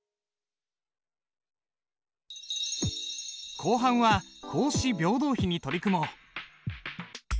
後半は「孔子廟堂碑」に取り組もう。